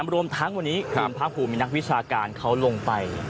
รวมทั้งวันนี้คุณภาคภูมิมีนักวิชาการเขาลงไป